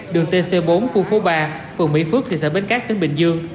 đường tc bốn khu phố ba phường mỹ phước thị xã bến cát tỉnh bình dương